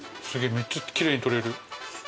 めっちゃきれいに取れる。